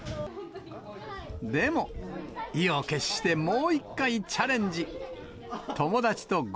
でも、意を決してもう一回チャレンジ。